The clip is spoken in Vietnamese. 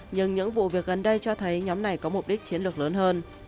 nhưng những vụ việc gần đây cho thấy nhóm này có mục đích chiến lược lớn hơn